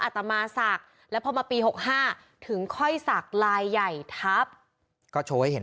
ตมาศักดิ์แล้วพอมาปี๖๕ถึงค่อยสักลายใหญ่ทับก็โชว์ให้เห็น